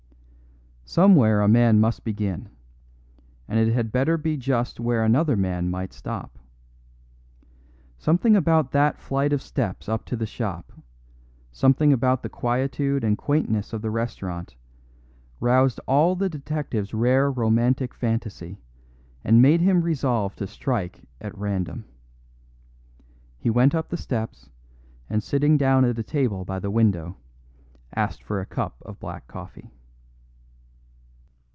Somewhere a man must begin, and it had better be just where another man might stop. Something about that flight of steps up to the shop, something about the quietude and quaintness of the restaurant, roused all the detective's rare romantic fancy and made him resolve to strike at random. He went up the steps, and sitting down at a table by the window, asked for a cup of black coffee.